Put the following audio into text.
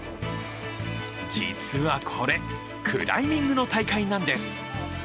実はこれ、クライミングの大会なんです。